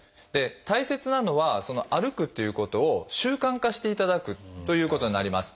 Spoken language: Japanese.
大切なのはその歩くということを習慣化していただくということになります。